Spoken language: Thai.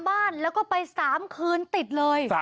บ้านแล้วก็ไป๓คืนติดเลย